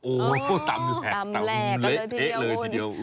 โอ้โหตำแหลกตำแหลกเลยทีเดียวโอ้โหตำแหลกตำแหลกเลยทีเดียว